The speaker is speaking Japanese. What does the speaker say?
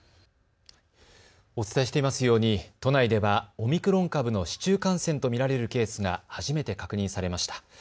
お伝えしていますように都内ではオミクロン株の市中感染と見られるケースが初めて確認されました。